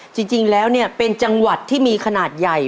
จริงแล้วเนี่ยเป็นจังหวัดที่มีขนาดใหญ่